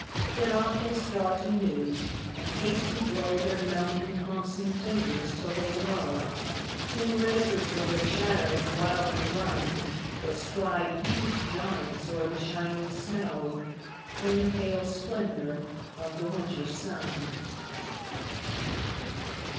Then off they start anew and hasty blow Their numbed and clumpsing fingers till they glow; Then races with their shadows wildly run That stride huge giants o'er the shining snow In the pale splendour of the winter sun.